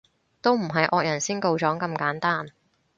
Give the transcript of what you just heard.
都唔係惡人先告狀咁簡單